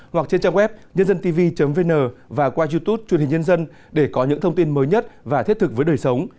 hoặc trên trang web nhândântv vn và qua youtube truyền hình nhân dân để có những thông tin mới nhất và thiết thực với đời sống